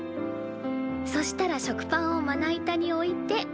そしたら食パンをまな板に置いて。